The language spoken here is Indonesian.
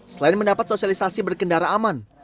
selain mendapat sosialisasi berkendara aman